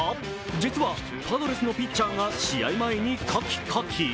実はパドレスのピッチャーが試合前にカキカキ。